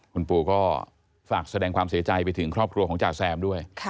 คุณปู่ก็ฝากแสดงความเสียใจไปถึงครอบครัวของจ่าแซมด้วย